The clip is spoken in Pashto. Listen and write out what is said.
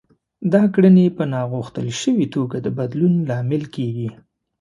دا کړنې يې په ناغوښتل شوې توګه د بدلون لامل کېږي.